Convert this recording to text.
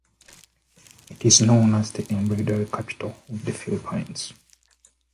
It is known as the "Embroidery Capital of the Philippines".